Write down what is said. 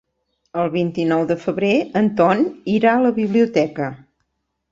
El vint-i-nou de febrer en Ton irà a la biblioteca.